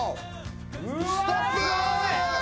ストップ！